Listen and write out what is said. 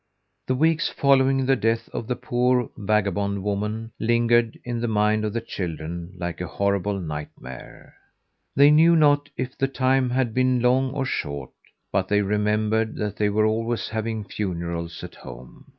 The weeks following the death of the poor vagabond woman lingered in the minds of the children like a horrible nightmare. They knew not if the time had been long or short, but they remembered that they were always having funerals at home.